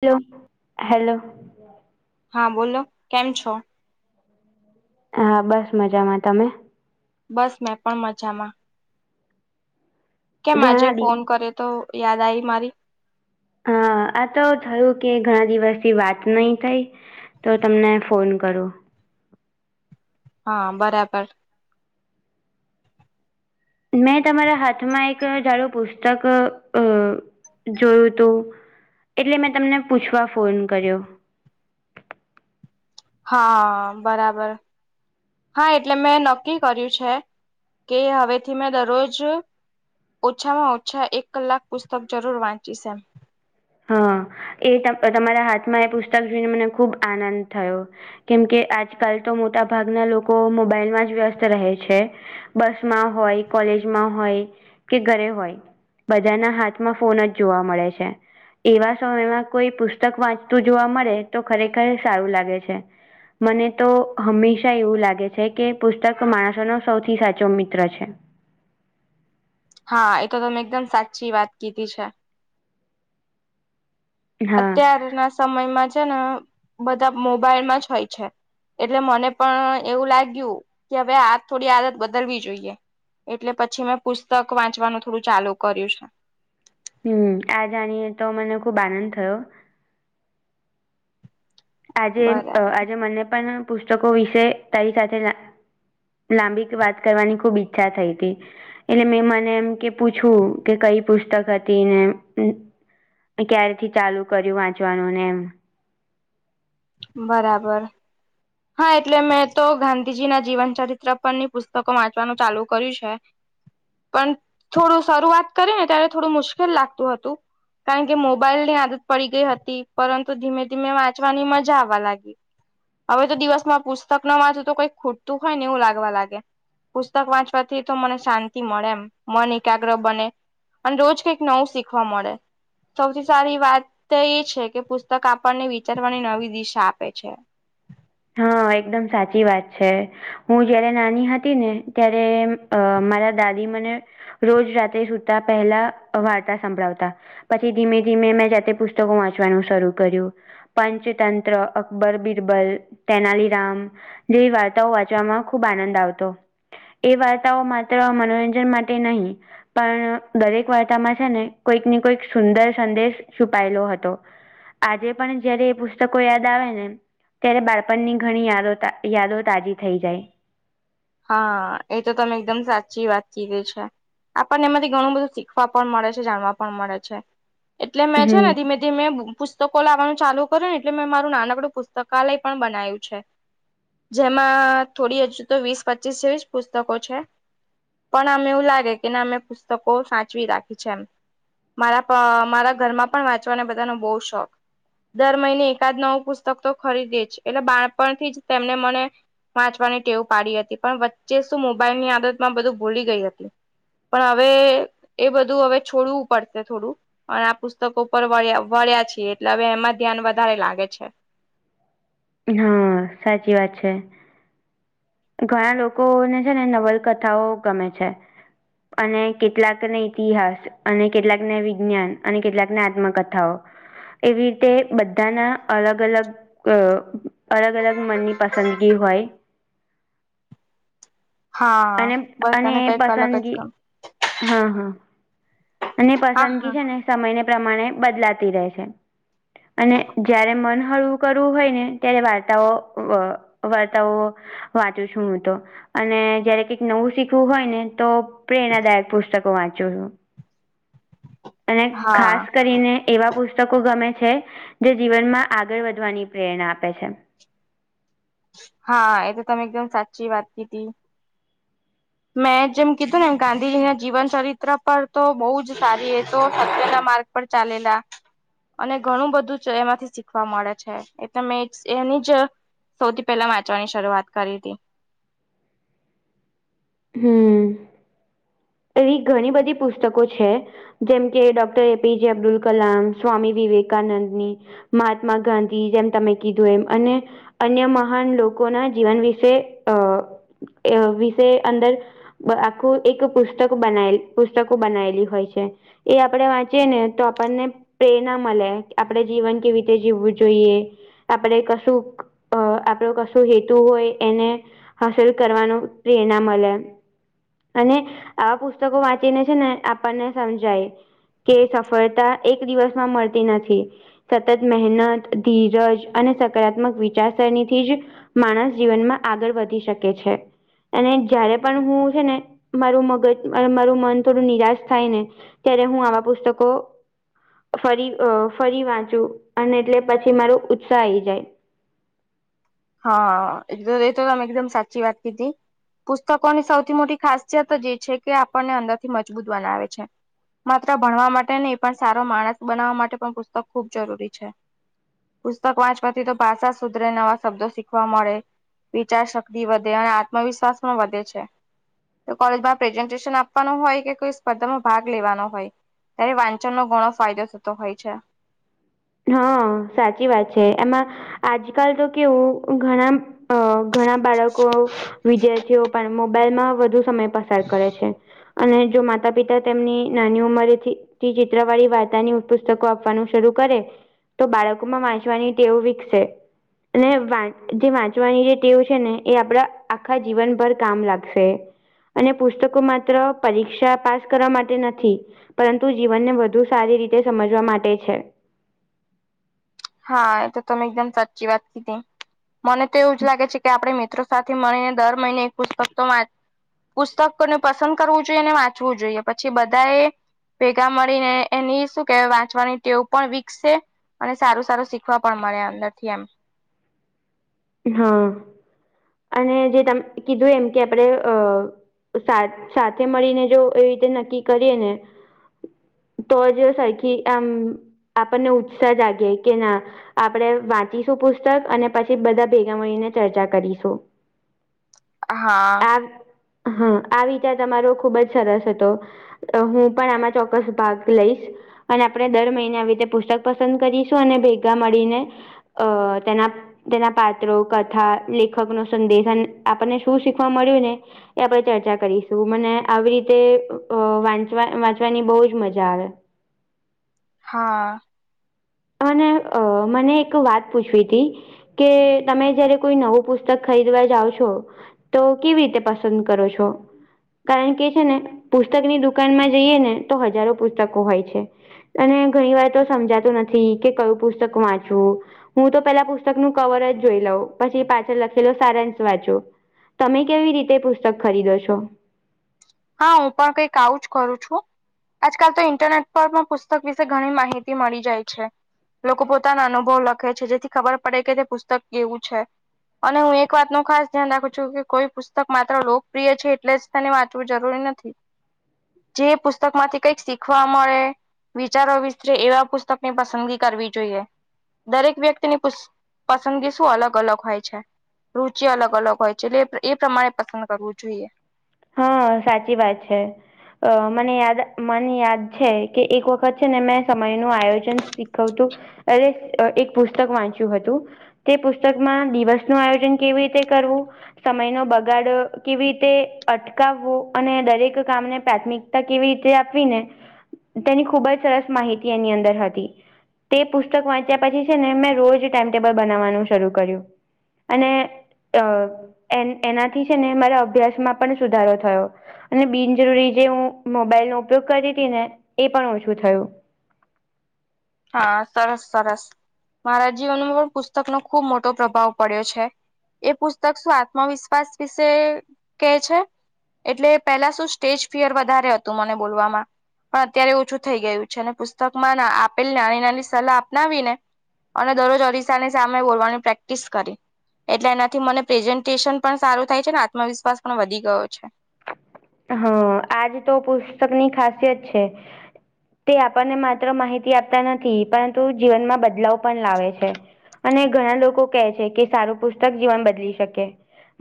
Hello hello. હા બોલો કેમ છો. હા બસ મજામાં તમે. બસ મેં પણ મજામાં. કે મજે ઘણા દી ફોન કરે તો યાદ આવી મારી. હા આ તો થયું કે ઘણા દિવસથી વાત નથી થઈ. તો તમને ફોન કરો. હા બરાબ. મેં તમારા હાથમાં એક જાડું પુસ્તક જોયું હતું એટલે મેં તમને પૂછવા ફોન કર્યો. હા, બરાબર. હા, એટલે મેં નક્કી કર્યું છે કે, હવેથી મેં દરરોજ. ઓછામાં-ઓછા એક કલાક પુસ્તક જરૂર વાંચી છે. હા, એ તમારા હાથમાં એ પુસ્તક જોઈને, મને ખૂબ આનંદ થયો. કેમકે, આજકાલ તો મોટા ભાગના લોકો મોબાઈલમાં જ વ્યસ્ત રહે છે. બસ માં હોય, કોલેજમાં હોય કે, ઘરે હોય. બધાના હાથમાં ફોન જ જોવા મળે છે. એવા સમયમાં કોઈ પુસ્તક વાંચતું જોવા મળે, તો ખરેખર સારું લાગે છે. મને તો હંમેશા એવું લાગે છે કે, પુસ્તક માણસોનો સૌથી સાચો મિત્ર છે. હા, એ તો તમેં એકદમ સાચી વાત કીધી છે. હા અત્યારના સમયમાં છે ને, બધા મોબાઈલમાં જ હોય છે. એટલે મને પણ એવું લાગ્યું કે, હવે આ થોડી આદત બદલવી જોઈએ. એટલે પછી મેં પુસ્તક વાંચવાનું થોડું ચાલુ કર્યું છે. હમ, આ જાણીએે તો મને ખુબ આનંદ થયો. આજે આજે બરાબર મને પણ પુસ્તકો વિશે તારી સાથે. લાંબી વાત કરવાની, ખુબ ઈચ્છા થઈ હતી. એટલે મેં મને એમ કે પૂછવું કે, કઈ પુસ્તક હતી ને. ક્યારેથી ચાલુ કર્યું, વાંચવાનું ને એમ. બરાબર. હા, એટલે મેં તો ગાંધીજી ના જીવન ચરિત્ર પર ની પુસ્તકો વાંચવાનું ચાલુ કર્યું છે. પણ થોડું શરૂઆત કરી ને, ત્યારે થોડું મુશ્કેલ લાગતું હતું. કારણ કે મોબાઈલ ની આદત પડી ગઈ હતી, પરંતુ ધીમે-ધીમે વાંચવાની મજા આવવા લાગી. હવે તો દિવસ માં પુસ્તક ન વાંચતું તો કઈક ખૂટતું હોય ને, એવું લાગવા લાગે. પુસ્તક વાંચવાથી તો મને શાંતિ મળે એમ, મન એકાગ્ર બને. અને રોજ કઈક નવું શીખવા મળે. સૌથી સારી વાત એ છે કે, પુસ્તક આપણને વિચારવાની નવી દિશા આપે છે. હા, એકદમ સાચી વાત છે, હું જયારે નાની હતી ને ત્યારે. અ મારા દાદી, મને રોજ રાત્રે સુતા પહેલા વાર્તા સંભળાવતા. પછી ધીમે-ધીમે મેં જાતે પુસ્તકો વાંચવાનું શરૂ કર્યું. પંચતંત્ર, અકબર, બિરબલ. તેનાલી રામ જેવી વાર્તાઓ વાંચવામાં ખૂબ આનંદ આવતો. એ વાર્તાઓ માત્ર મનોરંજન માટે નહીં. પણ દરેક વાર્તામાં છે ને, કોઈક ને, કોઈક સુંદર સંદેશ છુપાયેલો હતો. આજે પણ જયારે એ પુસ્તકો યાદ આવે ને, ત્યારે બાળ. આપની ઘણી યાદ યાદો તાજી થઈ જાય. હા, એ તો તમે એકદમ સાચી વાત કીધી છે. આપણને એમાંથી ઘણું બધું શીખવા પણ મળે છે, જાણવા પણ મળે છે, એટલે મેં છે ને હમ મે. મેં પુસ્તકો લાવવાનું ચાલુ કર્યું ને, એટલે મેં મારું નાનકડું પુસ્તકાલય પણ બનાય્યું છે. જેમાં થોડી હજુ તો વીસ-પચીસ પુસ્તકો છે. પણ અમે એવું લાગે કે, ને અમે પુસ્તકો સાચવી રાખી છે એમ. મારા મારા ઘરમાં પણ વાંચવાને બધાનો બહુ શોખ. દર મહિને એકાદ નવું પુસ્તક તો ખરીદે જ છે, એટલે બાળપણથી જ તેમને મને વાંચવાની ટેવ પાડી હતી, પણ વચ્ચે શું મોબાઈલની આદત માં બધું ભૂલી ગઈ હતી. પણ હવે એ બધું હવે છોડવું પડશે થોડું. પણ આ પુસ્તકો ઉપર વળ્યા વળ્યા છીએ એટલે હવે એમાં ધ્યાન વધારે લાગે છે. હા સાચી વાત છે. ઘણા લોકોને છે ને નવલકથાઓ ગમે છે. અને કેટલાકને ઇતિહાસ અને કેટલાકને વિજ્ઞાન અને કેટલાક ને આત્મકથાઓ એવી રીતે બધાના અલગ અલગ અ અલગ અલગ મનની પસંદગી હોય. હા અને બસ અને કને કઈક અલગ જ પસંદગી કામ હા હા અને હા પસંદગી હા છે ને સમયને પ્રમાણે બદલાતી રહે છે. અને જયારે મન હળવું કરવું હોય ને ત્યારે વાર્તાઓ વાર્તાવો વાંચું છું હું તો અને જયારે કઈક નવું શીખવું હોય ને તો પ્રેરણાદાયક પુસ્તકો વાંચું છું. અને ખાસ હા કરીને એવા પુસ્તકો ગમે છે જે જીવનમાં આગળ વધવાની પ્રેરણા આપે છે. હા એ તો તમે એકદમ સાચી વાત કીધી. મેં જેમ કીધું ને એમ ગાંધીજી ના જીવન ચરિત્ર પર તો બહુ જ સારી એ તો સત્ય ના માર્ગ પર ચાલેલા. અને ઘણું બધું જ એમાંથી શીખવા મળે છે એતો મે જ એની જ સૌથી પહેલા વાંચવાની શરૂઆત કરી હતી. હમ એવી ઘણી બધી પુસ્તકો છે જેમ કે ડોક્ટર એપીજે અબ્દુલ કલામ, સ્વામી વિવેકાનંદની મહાત્મા ગાંધી જેમ તમે કીધું એમ અને અન્ય મહાન લોકોનાં જીવન વિશે અ [unintelligible] વિષય અંદર [unintelligible] આખું એક પુસ્ત તકો બનાયેલી, પુસ્તકો બનાયેલી હોય છે એ આપડે વાંચીયે ને તો આપણને પ્રેરણા મળે આપણેે જીવન કેવી રીતે જીવવું જોઈએ, આપણે કશુંક અ આપણો કશું હેતુ હોય એને હાંસિલ કરવાનું પ્રેરણા મળે અને આવાં પુસ્તકો વાંચીને છે ને આપણને સમજાય. કે સફળતાં એક દિવસમાં મળતી નથી. સતત મહેનત, ધીરજ અને સકારાત્મક વિચારસરણીથી જ માણસ જીવનમાં આગળ વધી શકે છે. અને જયારે પણ હું છે ને મારું મગજ [unintelligible] મારું મન થોડું નિરાશ થાય ને ત્યારે હું આવાં પુસ્તકો ફરી અ ફરી વાંચું અને એટલે પછી મારો ઉત્સાહ આઈ જાય. હા [unintelligible] એકદમ સાચી વાત કીધી. પુસ્તકોની સૌથી મોટી ખાસિયત જ એ છે કે આપણને અંદરથી મજબૂત બનાવે છે. માત્ર ભણવા માટે નહીં. પણ સારો માણસ બનાવવાં માટે પણ પુસ્તક ખૂબ જરૂરી છે. પુસ્તક વાંચવાથી તો ભાષા સુધરે, નવા શબ્દો શીખવા મળે, વિચાર શક્તિ વધે અને આત્મવિશ્વાસ પણ વધે છે. તો કોલેજમાં પ્રેઝન્ટેશન આપવાનો હોય કે કોઈ સ્પર્ધામાં ભાગ લેવાનો હોય. ત્યારે વાંચનનો ઘણો ફાયદો થતો હોય છે. હ સાચી વાત છે. એમાં આજકાલ તો કેવું ઘણાં ઘણાં બાળકો, વિદ્યાર્થીઓ પણ મોબાઈલમાં વધુ સમય પસાર કરે છે. અને જો માતા પિતા તેમની નાની ઉંમરેથી થી ચિત્રવાળી વાર્તાની પુસ્તકો આપવાનું શરૂ કરે તો બાળકોમાં વાંચવાની ટેવ વિકસે. [unintelligible] અને જે વાંચવાની જે ટેવ છે ને એ આપડા આખાં જીવનભર કામ લાગશે. અને પુસ્તકો માત્ર પરીક્ષા પાસ કરવા માટે નથી. પરંતુ જીવનને વધુ સારી રીતે સમજવા માટે છે. હા એ તો તમે એકદમ સાચી વાત કીધી. મને તો એવું જ લાગે છે કે આપડે મિત્રો સાથે મળીને દર મહિને એક પુસ્તકતો વાંચ પુસ્તકોને પસંદ કરવું જોઈએ અને વાંચવું જોઈએ પછી બધાએ ભેગા મળીને એની શું કેવાય વાંચવાની ટેવ પણ વિકસે અને સારું સારું શીખવા પણ મળે અંદરથી એમ. હા અને જે તમે કીધું એમ કે આપણે અ સાથે મળીને જો એવી રીતે નક્કી કરીએ ને. તો જ સરખી આમ. આપણને ઉત્સાહ જાગે કે ના આપણેે વાંચીશું પુસ્તક અને પછી બધા ભેગા મળીને ચર્ચા કરીશું. હા. હા આવી રીતે તમારો ખુબ જ સરસ હતો. હું પણ આમાં ચોક્કસ ભાગ લઈશ. અને આપણે દર મહિને આવી રીતે પુસ્તક પસંદ કરીશું અને ભેગા મળીને અ તેના તેના પાંઠ [unintelligible] કથા લેખક નો સંદેશન આપણને શું શીખવા મળ્યું ને? એ આપણે ચર્ચા કરીશું મને આવી રીતે અ વાંચવા વાંચવાની બહુ જ મજા આવે. હા. અને અ મને એક વાત પૂછવી હતી. કે તમે જયારે કોઈ નવું પુસ્તક ખરીદવા જાઓ છો તો કેવી રીતે પસંદ કરો છો? કારણ કે છે ને પુસ્તકની દુકાનમાં જઈએ ને તો હજારો પુસ્તકો હોય છે. અને ઘણી વાર તો સમજાતું નથી કે કયું પુસ્તક વાંચવું? હું તો પેલા પુસ્તક નું કવર જ જોઈ લઉં પછી પાછળ લખેલો સારાંશ વાંચું. તમે કેવી રીતે પુસ્તક ખરીદો છો? હા હું પણ કઈક આવું જ કરું છું. આજકાલ તો ઇન્ટરનેટ પર પણ પુસ્તક વિશે ઘણી માહિતી મળી જાય છે. લોકો પોતાના અનુભવ લખે છે જેથી ખબર પડે કે તે પુસ્તક કેવું છે. અને હું એક વાત નુ ખાસ ધ્યાન રાખું છું કે કોઈ પુસ્તક માત્ર લોકપ્રિય છે એટલે જ તેને વાંચવું જરૂરી નથી જે પુસ્તક માંથી કઈક શીખવા મળે વિચારો વિસ્તરે એવા પુસ્તકની પસંદગી કરવી જોઈએ દરેક વ્યક્તિની પસંદગી શું અલગ અલગ હોય છે. રુચિ અલગ અલગ હોય છે લે એ પ્રમાણે પસંદ કરવું જોઈએ. હ સાચી વાત છે. અ મને યાદ મને યાદ છે કે એક વખત છે ને મેં સમય નું આયોજન શીખવતું અરે એક પુસ્તક વાંચ્યું હતું. તે પુસ્તકમાં દિવસ નું આયોજન કેવી રીતે કરવું. સમય નો બગાડ કેવી રીતે અટકાવવું અને દરેક કામને પ્રાથમિકતા કેવી રીતે આપવી ને તેની ખૂબ જ સરસ માહિતી એની અંદર હતી. તે પુસ્તક વાંચ્યા પછી છે ને મેં રોજ ટાઈમ ટેબલ બનાવવાનું શરૂ કર્યું. અને અ એ એનાથી છે ને મારા અભ્યાસમાં પણ સુધારો થયો. બિનજરૂરી જે હું મોબાઈલનોો ઉપયોગ કરી હતી ને એ પણ ઓછું થયું. હા સરસ સરસ મારા જીવનમાં પુસ્તકનો ખુબ મોટો પ્રભાવ પડ્યો છે. એ પુસ્તક શું આત્મવિશ્વાસ વિશે કે છે. એટલે પેલા શું સ્ટેજ ફિયર વધારે હતું મને બોલવામાં. પણ અત્યારે ઓછું થઈ ગયું છે ને પુસ્તકમાં આપેલ નાની નાની સલાહ અપનાવી ને. અને દરરોજ અરીસાની સામે બોલવાની પ્રેક્ટિસ કરી. એટલે એનાથી મને પ્રેઝન્ટેશન પણ સારું થાય છે ને આત્મવિશ્વાસ પણ વધી ગયો છે. હ આજ તો પુસ્તક ની ખાસિયત છે. તે આપણને માત્ર માહિતી આપતા નથી પરંતુ જીવનમાં બદલાવ પણ લાવે છે. અને ઘણા લોકો કહે છે કે સારું પુસ્તક જીવન બદલી શકે.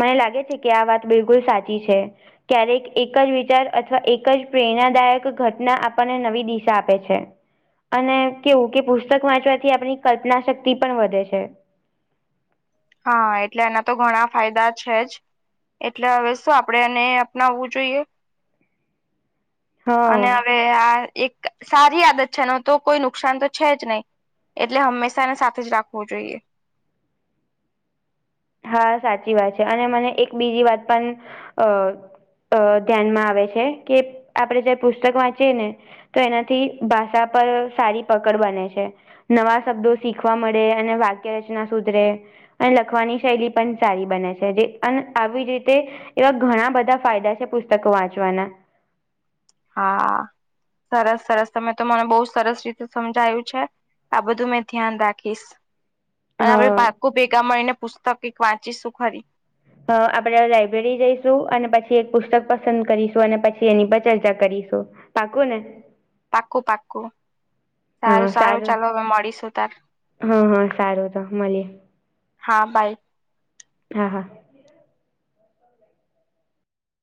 મને લાગે છે કે આ વાત બિલકુલ સાચી છે ક્યારેક એક જ વિચાર અથવા એક જ પ્રેરણાદાયક ઘટના આપણને નવી દિશા આપે છે. અને કેવું કે પુસ્તક વાંચવાથી આપણી કલ્પના શક્તિ પણ વધે છે. હા એટલે એના તો ઘણા ફાયદા છે જ. એટલે હવે શું આપડે એને અપનાવવું જોઈએ અને હા હવે આ એક સારી આદત છે ન તો કોઈ નુકસાન તો છે જ નહીિ એટલે હંમેશાને સાથે જ રાખવું જોઈએ હા સાચી વાત છે અને મને એક બીજી વાત પણ અ અ ધ્યાનમાં આવે છે કે આપણેે જે પુસ્તક વાંચીએ ને તો એનાથી ભાષા પર સારી પકડ બને છે નવા શબ્દો શીખવા મળે અને વાક્ય રચના સુધરે અને લખવાની શૈલી પણ સારી બને છે જે અને આવી રીતે એવા ઘણા બધા ફાયદા છે પુસ્તક વાંચવાના હા સરસ સરસ તમે તો મને બહુ સરસ રીતે સમજાયું છે આ બધું મેં ધ્યાન રાખીશ અને આપડે હા પાકુ ભેગા મળીને પુસ્તક વાંચીશું ખરી અ આપડે લાઈબ્રેરી જઈશું અને પછી એક પુસ્તક પસંદ કરીશું અને પછી એની પર ચર્ચા કરીશું પાકુંને પાકું પાકું સારું સારું ચલો હવે મળીશું તાર હા હા સારું તો મળીએ હા બાાય હા હા